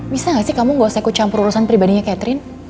bisa gak sih kamu gak usah aku campur urusan pribadinya catherine